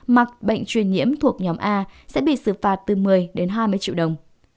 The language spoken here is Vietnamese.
mặc bệnh truyền nhiễm thuộc nhóm a sẽ bị xử phạt từ một mươi đến hai mươi triệu đồng